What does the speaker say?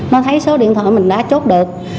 nó thấy số điện thoại mình đã chốt được